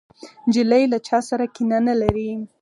نجلۍ له چا سره کینه نه لري.